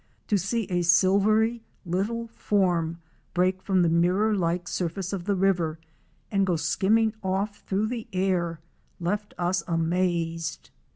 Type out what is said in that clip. To see a silvery little form break from the mirror like surface of the river and go skimming off through the air left us amazed.